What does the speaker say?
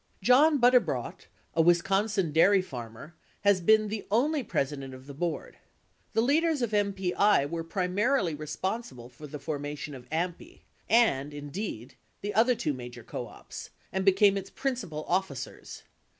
John Butterbrodt, a Wisconsin dairy farmer, has been the only president of the board. The leaders of MPI were primarily responsible for the formation of AMPI (and, indeed, the other two major co ops) 4 and became its principal officers.